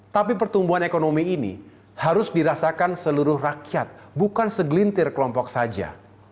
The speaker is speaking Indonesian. tapi pertumbuhan ekonomi ini harus dirasakan seluruh rakyat bukan segelintir kelompok saja